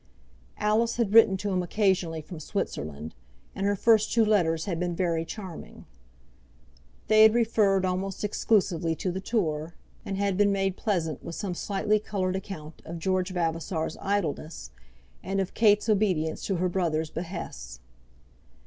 Alice had written to him occasionally from Switzerland, and her first two letters had been very charming. They had referred almost exclusively to the tour, and had been made pleasant with some slightly coloured account of George Vavasor's idleness, and of Kate's obedience to her brother's behests.